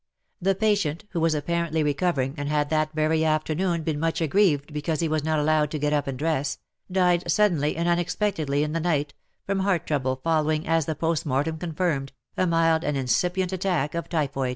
The patient, who was apparently re covering, and had that very afternoon been much aggrieved because he was not allowed to get up and dress, died suddenly and un expectedly in the night, from heart trouble following, as the post mortem confirmed, a mild and incipient attack of typhoid.